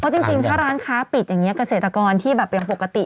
จริงถ้าร้านค้าปิดอย่างนี้เกษตรกรที่แบบอย่างปกติ